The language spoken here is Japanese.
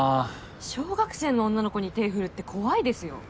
小学生の女の子に手振るって怖いですよ。